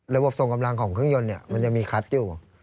ส่งกำลังของเครื่องยนต์มันยังมีคัดอยู่